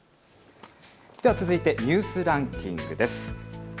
では続いてニュースランキングです。